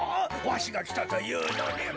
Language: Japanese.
わしがきたというのに。